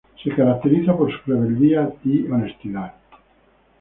Se caracteriza por su rebeldía y honestidad.